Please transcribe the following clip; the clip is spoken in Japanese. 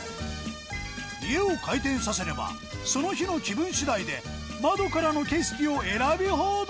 家を回転させればその日の気分次第で窓からの景色を選び放題！